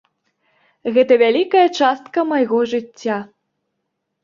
Гэта вялікая частка майго жыцця.